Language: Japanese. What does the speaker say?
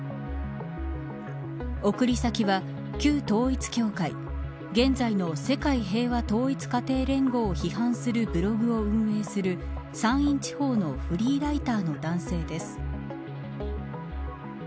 送り先は、旧統一教会現在の世界平和統一家庭連合を批判するブログを運営する山陰地方のフリーライターの男性です。